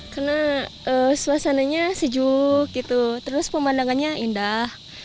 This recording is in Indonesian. karena suasananya sejuk gitu terus pemandangannya indah